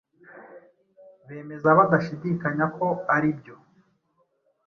Bemeza badashidikanya ko aribyo